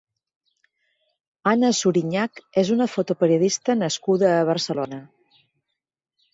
Anna Surinyach és una fotoperiodista nascuda a Barcelona.